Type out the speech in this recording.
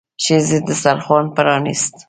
ښځې دسترخوان پرانيست.